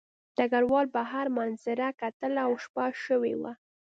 ډګروال بهر منظره کتله او شپه شوې وه